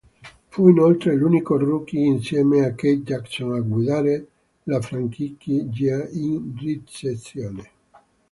Fu inoltre l'unico rookie insieme a Keith Jackson a guidare la franchigia in ricezione.